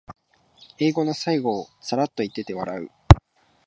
映画の最後をサラッと言ってて笑う